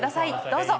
どうぞ。